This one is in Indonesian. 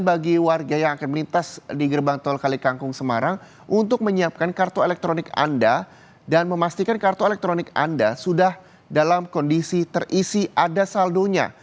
bagi warga yang akan melintas di gerbang tol kalikangkung semarang untuk menyiapkan kartu elektronik anda dan memastikan kartu elektronik anda sudah dalam kondisi terisi ada saldonya